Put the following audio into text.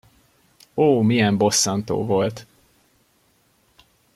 Ó, milyen bosszantó volt!